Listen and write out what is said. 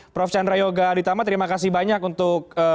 prof chandra yoga aditama terima kasih banyak untuk